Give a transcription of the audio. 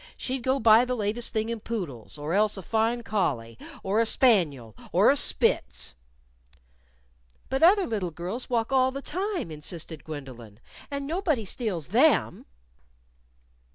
She'd go buy the latest thing in poodles, or else a fine collie, or a spaniel or a Spitz." "But other little girls walk all the time," insisted Gwendolyn, "and nobody steals them."